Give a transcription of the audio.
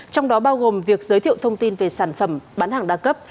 trong đó bao gồm việc giới thiệu thông tin về sản phẩm bán hàng đa cấp